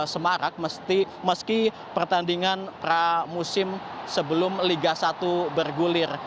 semarak meski pertandingan pramusim sebelum liga satu bergulir